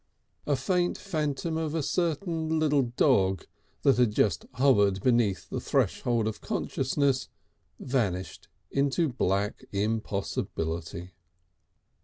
A faint phantom of a certain "lill' dog" that had hovered just beneath the threshold of consciousness vanished into black impossibility.